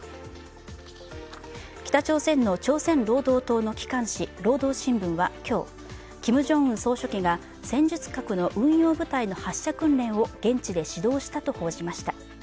北朝鮮の朝鮮労働党の機関紙「労働新聞」は今日、キム・ジョンウン総書記が戦術核の運用部隊の発射訓練を現地で指導したと報じました。